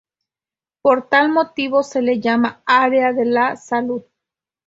Por tal motivo se le llama Área de la Salud.